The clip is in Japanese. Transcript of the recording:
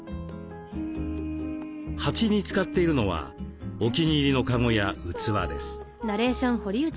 鉢に使っているのはお気に入りのカゴや器です。